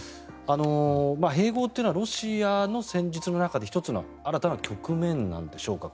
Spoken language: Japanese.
併合というのはロシアの戦術の中で１つの新たな局面なんでしょうか。